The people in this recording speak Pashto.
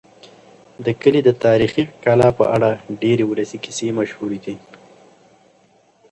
د کلي د تاریخي کلا په اړه ډېرې ولسي کیسې مشهورې دي.